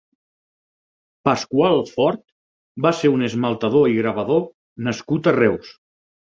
Pascual Fort va ser un esmaltador i gravador nascut a Reus.